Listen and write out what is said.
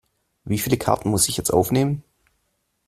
Wie viele Karten muss ich jetzt aufnehmen?